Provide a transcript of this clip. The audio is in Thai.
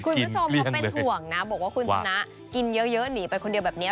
คุณผู้ชมเขาเป็นห่วงนะบอกว่าคุณชนะกินเยอะหนีไปคนเดียวแบบนี้